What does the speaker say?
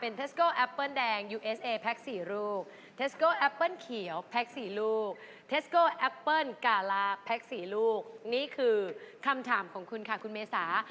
นี่คือคำถามของคุณค่ะคุณเมษา